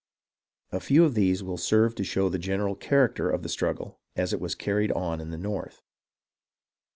A few of these will serve to show the general character of the struggle as it was carried on in the north.